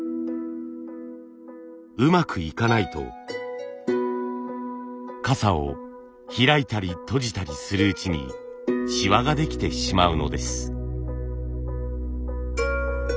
うまくいかないと傘を開いたり閉じたりするうちにシワができてしまうのです。